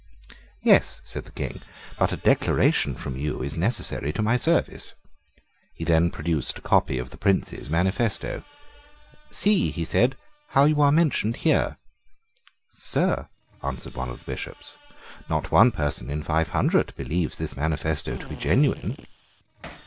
"Yes," said the King; "but a declaration from you is necessary to my service." He then produced a copy of the Prince's manifesto. "See," he said, "how you are mentioned here." "Sir," answered one of the Bishops, "not one person in five hundred believes this manifesto to be genuine."